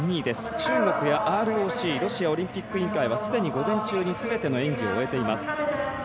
中国やＲＯＣロシアオリンピック委員会はすでに午前中にすべての演技を終えています。